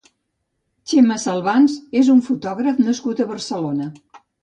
Txema Salvans és un fotògraf nascut a Barcelona.